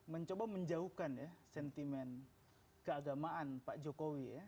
mencoba menjauhkan sentimen keagamaan pak jokowi